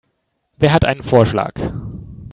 Wer hat einen Vorschlag?